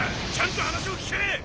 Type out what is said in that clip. ちゃんと話を聞け！